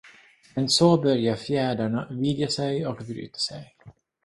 Men så börjar fjärdarna vidga sig och bryta sig.